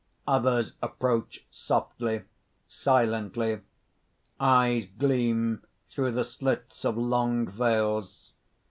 _ _Others approach, softly, silently. Eyes gleam through the slits of long veils.